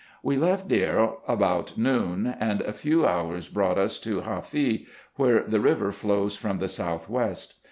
We left Deir about noon ; and a few hours brouglrt us to Hafee, where the river flows from the south west.